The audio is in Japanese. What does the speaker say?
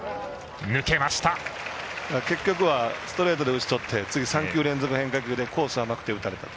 結局はストレートで打ちとって次、３球連続変化球でコース甘くて打たれた。